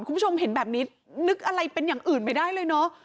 คุณผู้ชมเห็นแบบนี้นึกอะไรเป็นอย่างอื่นไม่ได้เลยเนอะ